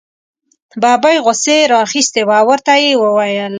ببۍ غوسې را اخیستې وه او ورته یې وویل.